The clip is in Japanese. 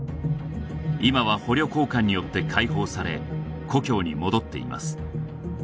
今は捕虜交換によって解放され故郷に戻っています